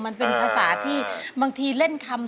มันเป็นภาษาที่บางทีเล่นคำ